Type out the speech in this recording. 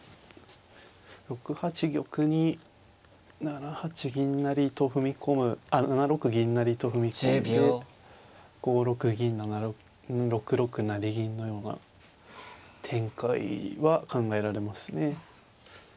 ６八玉に７八銀成と踏み込むあっ７六銀成と踏み込んで５六銀６六成銀のような展開は考えられますね。